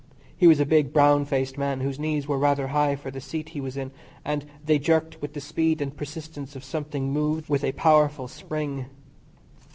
He was a big, brown faced man, whose knees were rather high for the seat he was in, and they jerked with the speed and persistence of something moved with a powerful spring.